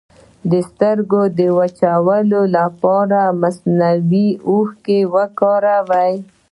د سترګو د وچوالي لپاره مصنوعي اوښکې وکاروئ